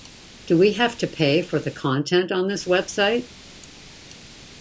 Do we have to pay for content on this website?